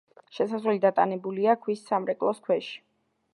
შესასვლელი დატანებულია ქვის სამრეკლოს ქვეშ.